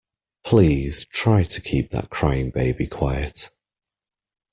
Please try to keep that crying baby quiet